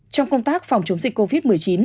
trong công tác phòng chống dịch covid một mươi chín